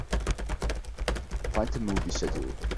Find the movie schedule.